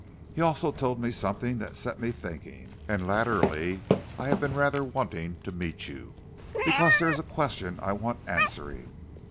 He also told me something that set me thinking, and latterly I have been rather wanting to meet you, because there is a question I want answering."